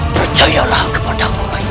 percayalah kepada aku rai